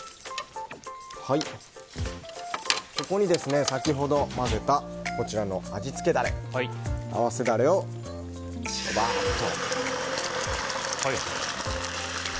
ここに、先ほど混ぜた味付けダレ合わせダレを、バーッと。